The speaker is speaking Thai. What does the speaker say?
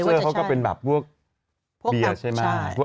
สปอนเซอร์เขาก็เป็นแบบเบียร์ใช่ไหม